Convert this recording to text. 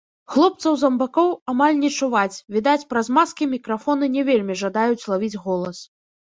Хлопцаў-замбакоў амаль не чуваць, відаць, праз маскі мікрафоны не вельмі жадаюць лавіць голас.